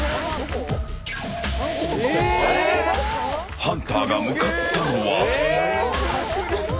ハンターが向かったのは。